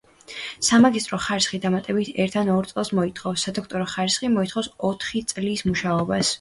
სამაგისტრო ხარისხი დამატებით ერთ ან ორ წელს მოითხოვს; სადოქტორო ხარისხი მოითხოვს ოთხი წლის მუშაობას.